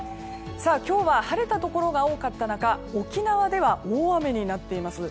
今日は晴れたところが多かった中沖縄では大雨になっています。